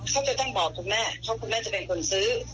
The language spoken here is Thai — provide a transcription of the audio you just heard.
ขอมแค่เนี่ยต้องบอกคุณแม่เพราะคุณแม่จะเป็นคนซื้อ